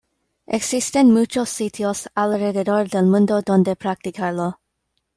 Existen muchos sitios alrededor del mundo donde practicarlo.